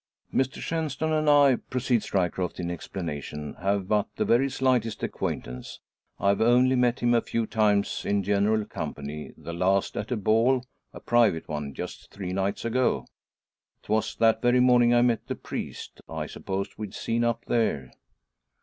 "Mr Shenstone and I," proceeds Ryecroft in explanation, "have but the very slightest acquaintance. I've only met him a few times in general company, the last at a ball a private one just three nights ago. 'Twas that very morning I met the priest, I supposed we'd seen up there.